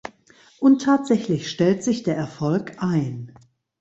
Und tatsächlich stellt sich der Erfolg ein.